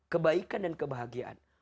kebaikan dan kebahagiaan